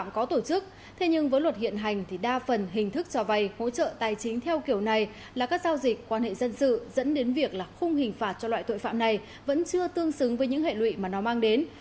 thế nhưng với luật hiện hành thì đa phần hình thức cho vay hỗ trợ tài chính theo kiểu này là các giao dịch quan hệ dân sự dẫn đến việc là khung hình phạt cho loại tội phạm này vẫn chưa tương xứng với những hệ lụy mà nó mang đến